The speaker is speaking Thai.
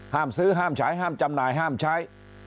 ห้ามซื้อห้ามใช้ห้ามจำหน่ายห้ามใช้